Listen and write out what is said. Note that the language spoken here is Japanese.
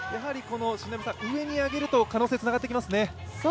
上に上げると、可能性つながってきますね。